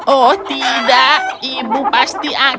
oh tidak ibu pasti akan